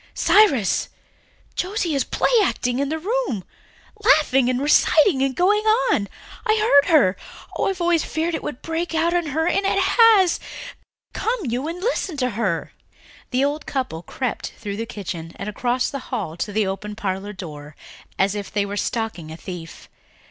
"Cyrus, Josie is play acting in the room ... laughing and reciting and going on. I heard her. Oh, I've always feared it would break out in her and it has! Come you and listen to her." The old couple crept through the kitchen and across the hall to the open parlour door as if they were stalking a thief.